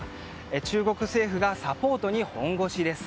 中国政府がサポートに本腰？です。